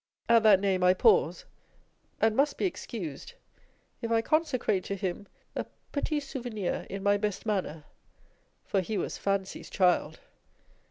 At that name I pause, and must be excused if I consecrate to him a petit souvenir in my best manner ; for he was Fancy's child.